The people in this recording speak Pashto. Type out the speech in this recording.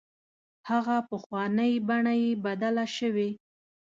هغه پخوانۍ بڼه یې بدله شوې.